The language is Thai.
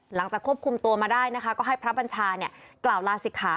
หลังจากควบคุมตัวมาได้นะคะก็ให้พระบัญชากล่าวลาศิกขา